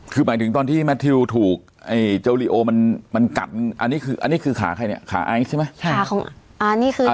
คือหมายถึงตอนที่แมททิวถูกเจ้าลิโอมันกัดอันนี้คือขาใครเนี่ยขาไอท์ใช่ไหม